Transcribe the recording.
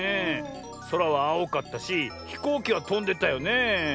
そらはあおかったしひこうきはとんでたよねえ。